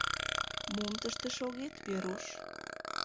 — Мом тыште шогет, Веруш?